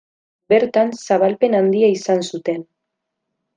Bertan zabalpen handia izan zuten.